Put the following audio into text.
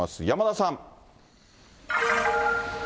山田さん。